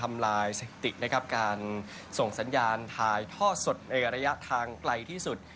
ทำลายสถิตินะครับการส่งสัญญาณถ่ายทอดสดในระยะทางไกลที่สุด